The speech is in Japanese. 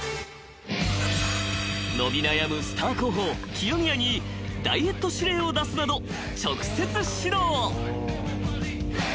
［伸び悩むスター候補清宮にダイエット指令を出すなど直接指導］